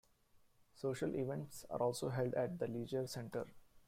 Social events are also held at the leisure centre.